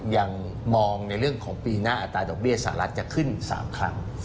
ยังมองในเรื่องของปีหน้าอัตราดอกเบี้ยสหรัฐจะขึ้น๓ครั้ง